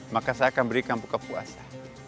maka saya akan berikan buka puasa